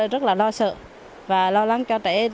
rất là lo sợ và lo lắng cho trẻ